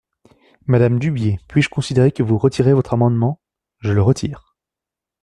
Madame Dubié, puis-je considérer que vous retirez votre amendement ? Je le retire.